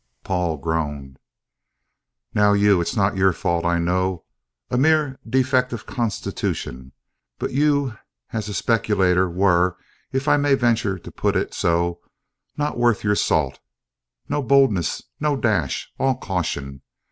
Paul groaned. "Now you it's not your fault, I know, a mere defect of constitution; but you, as a speculator, were, if I may venture to put it so, not worth your salt; no boldness, no dash, all caution.